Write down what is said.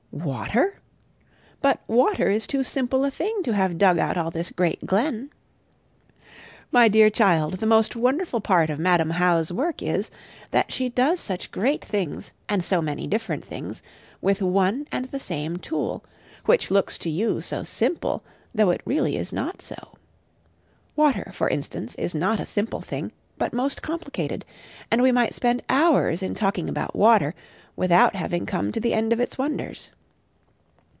Water? But water is too simple a thing to have dug out all this great glen. My dear child, the most wonderful part of Madam How's work is, that she does such great things and so many different things, with one and the same tool, which looks to you so simple, though it really is not so. Water, for instance, is not a simple thing, but most complicated; and we might spend hours in talking about water, without having come to the end of its wonders.